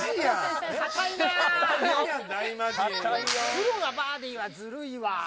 プロがバーディーはズルいわ。